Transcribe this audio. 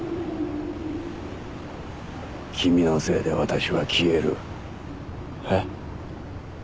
君のせいで私は消える。